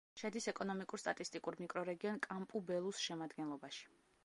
შედის ეკონომიკურ-სტატისტიკურ მიკრორეგიონ კამპუ-ბელუს შემადგენლობაში.